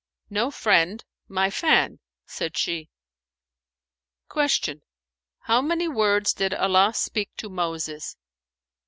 '" "No friend, my fan;"[FN#444] said she. Q "How many words did Allah speak to Moses?"